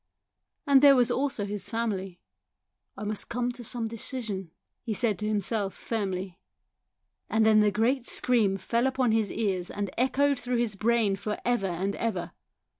And there was also his family. " I must come to some decision," he said to himself firmly. And then the great scream fell upon his ears and echoed through his brain for ever and ever.